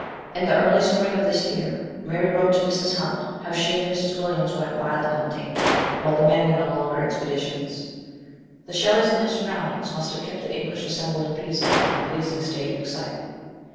In the early spring of this year, Mary wrote to Mrs. Hunt how she and Mrs. Williams went violet hunting, while the men went on longer expeditions. The Shelleys and their surroundings must have kept the English assembled in Pisa in a pleasing state of excitement.